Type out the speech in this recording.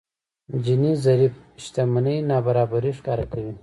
جيني ضريب شتمنۍ نابرابري ښکاره کوي.